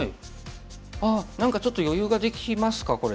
あ何かちょっと余裕ができますかこれで。